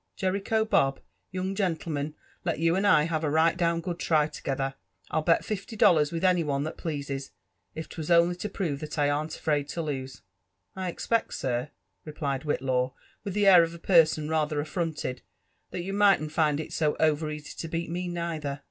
Jerico bob I young gen tleman, let you and I have a righlnlowa good try togeiher ^l'lI bet fifty dollars with any one that pleases, it 'twas only to prove that I #rn^( afraid to lose/' '* I expect, sir," replied Whitlaw with the afar of a porsoa rather a(r fronted, Mlhat you mightn't find it so over easy to beat me neither.